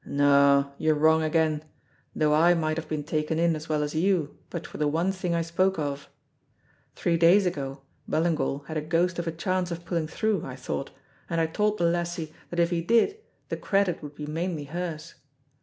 "No, you're wrong again, though I might have been taken in as well as you but for the one thing I spoke of. Three days ago Ballingall had a ghost of a chance of pulling through, I thought, and I told the lassie that if he did, the credit would be mainly hers.